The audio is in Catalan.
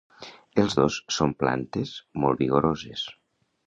Els dos són plantes molt vigoroses.